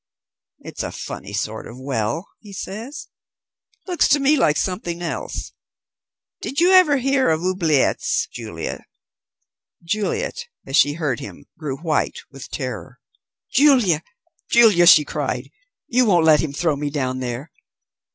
"It's a funny sort of well," he said, "Looks to me like something else. Did you ever hear of oubliettes, Julia?" Juliet, as she heard him, grew white with terror. "Julia, Julia," she cried, "you won't let him throw me down there?"